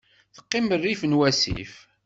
Teqqim rrif n wasif.